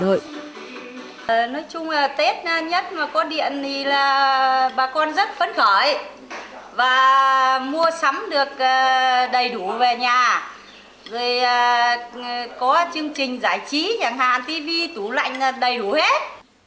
nói chung là tết nhất mà có điện thì là bà con rất phấn khởi và mua sắm được đầy đủ về nhà rồi có chương trình giải trí nhà hàng tivi tủ lạnh đầy đủ hết